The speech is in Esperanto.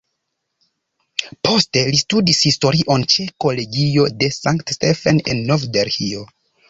Poste li studis historion ĉe Kolegio de Sankt-Stephen en Nov-Delhio.